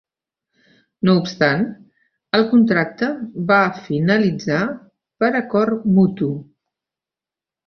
No obstant, el contracte va finalitzar per "acord mutu".